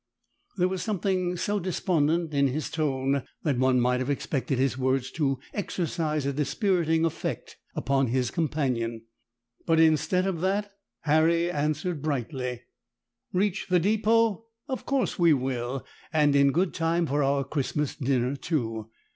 There was something so despondent in his tone that one might have expected his words to exercise a dispiriting effect upon his companion; but, instead of that, Harry answered brightly,— "Reach the depot! Of course we will; and in good time for our Christmas dinner, too!